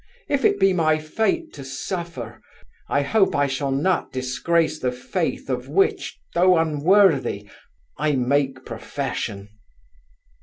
if it be my fate to suffer, I hope I shall not disgrace the faith of which, though unworthy, I make profession.